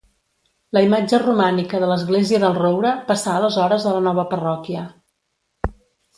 La imatge romànica de l'església del Roure passà aleshores a la nova parròquia.